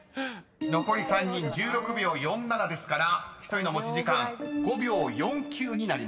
［残り３人１６秒４７ですから１人の持ち時間５秒４９になります］